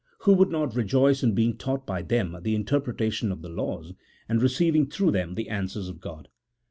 Who would not rejoice in being taught by them the interpretation of the laws, and receiving through them the answers of God